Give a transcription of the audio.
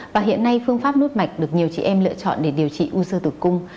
và hiện nay phương pháp nút mạch được nhiều chị em lựa chọn để điều trị u sơ tử cung